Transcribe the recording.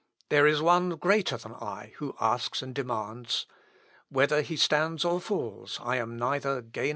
There is one greater than I who asks and demands. Whether he stands or falls, I am neither gainer nor loser."